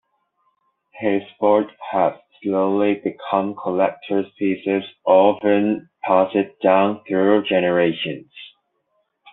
His boards have slowly become collector's pieces often passed down through generations.